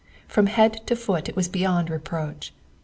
From head to foot it was beyond reproach.